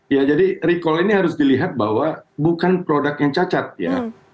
ya jadi recall ini harus dilihat bahwa bukan produk yang cacat ya